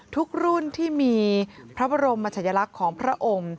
ทุกรุ่นที่มีพระบรมมชายลักษณ์ของพระองค์